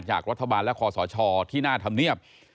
จากรัฐบาลและคอสชที่หน้าธรรมเนียบ